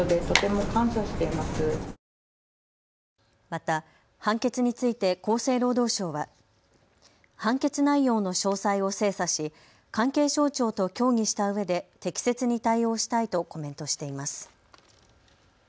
また判決について厚生労働省は判決内容の詳細を精査し関係省庁と協議したうえで適切に対応したいとコメントしています。